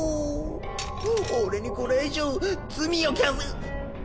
俺にこれ以上罪をきゃさ。